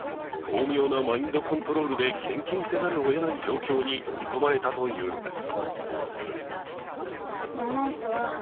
巧妙なマインドコントロールで献金せざるをえない状況に追い込まれたというのです。